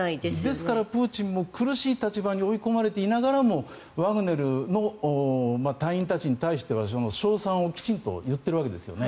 ですからプーチンも苦しい立場に追い込まれていながらもワグネルの隊員たちに対しては称賛をきちんと言っているわけですよね。